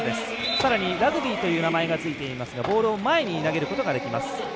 さらにラグビーという名前がついていますがボールを前に投げることができます。